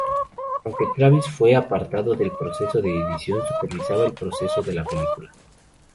Aunque Travis fue apartado del proceso de edición, supervisaba el progreso de la película.